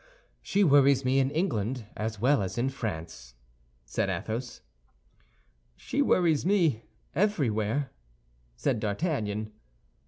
"She worries me in England as well as in France," said Athos. "She worries me everywhere," said D'Artagnan.